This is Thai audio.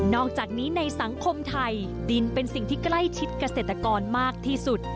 อกจากนี้ในสังคมไทยดินเป็นสิ่งที่ใกล้ชิดเกษตรกรมากที่สุด